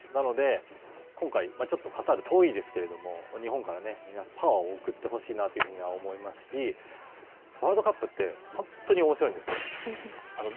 なので、今回、カタールはちょっと遠いですけれども、日本からパワーを送ってほしいというふうには思いますし、ワールドカップって本当におもしろいんです。